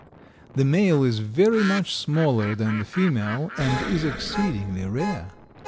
The male is very much smaller than the female and is exceedingly rare.